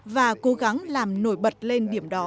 và cố gắng làm nổi bật lên điểm đó